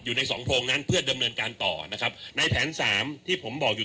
อยู่ในสองโพรงนั้นเพื่อดำเนินการต่อนะครับในแผนสามที่ผมบอกอยู่